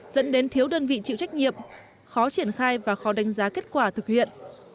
dẫn đến thiếu đơn vị chịu trách nhiệm khó triển khai và khó đánh giá kết quả thực hiện